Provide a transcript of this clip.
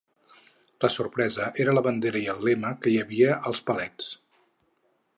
La sorpresa era la bandera i el lema que hi havia als palets.